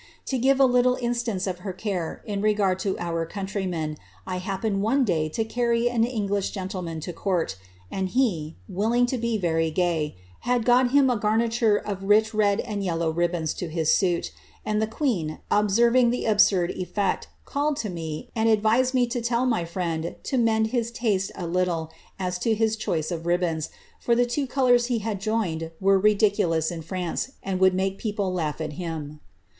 To give a little instance of her care in regard to our countr}'men, I happened one day to carry an English gentleman to court, and he, willing to be very gay, had got him a garniture of rich red and yellow ribbons to his suit; and the queen, observing the absurd effect, called to me, and advised me to tell my friend to mend his taste a little as to his choice of ribbons, for the :. two colours he had joined were ridiculous in France, and would make ^ people laugh at him."